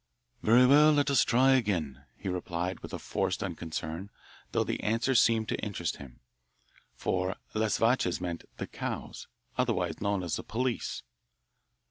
"Very well, let us try again," he replied with a forced unconcern, though the answer seemed to interest him, for "les vaches" meant "the cows," otherwise known as the police.